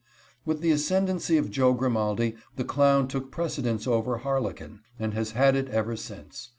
With the ascendency of Joe Grimaldi the clown took precedence over Harlequin, and has had it ever since.